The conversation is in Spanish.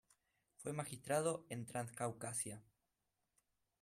Fue magistrado en Transcaucasia.